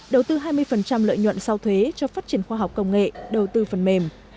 đầu tư hai mươi lợi nhuận sau thuế cho phát triển khoa học công nghệ đầu tư phần mềm